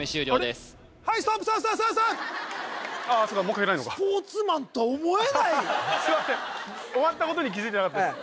すいません終わったことに気付いてなかったです